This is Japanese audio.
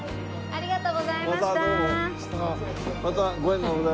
ありがとうございます。